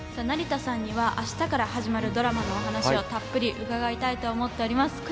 成田さんには明日から始まるドラマのお話をたっぷり伺いたいと思います。